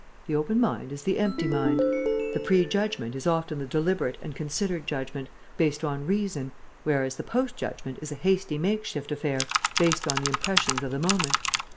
The open mind is the empty mind. The pre judgment is often the deliberate and considered judgment, based on reason, whereas the post judgment is a hasty makeshift affair, based on the impressions of the moment.